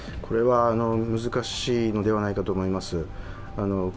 難しいのではないかと思います。